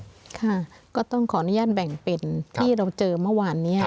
ค่ะก็ต้องขออนุญาตแบ่งเป็นที่เราเจอเมื่อวานนี้